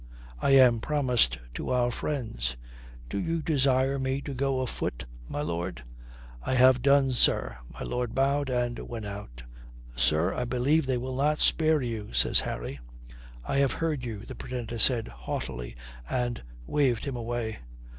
I am promised to our friends. Do you desire me to go afoot, my lord?" "I have done, sir." My lord bowed and went out. "Sir, I believe they will not spare you," says Harry. "I have heard you," the Pretender said haughtily, and waved him away.